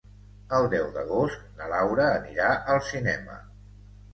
El deu d'agost na Laura anirà al cinema.